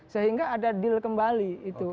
sehingga ada deal kembali itu